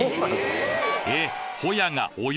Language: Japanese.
えっ！